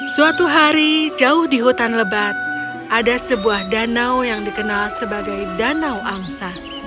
suatu hari jauh di hutan lebat ada sebuah danau yang dikenal sebagai danau angsa